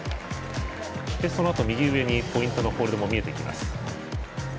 そのあと右上にポイントのホールドも見えてきます。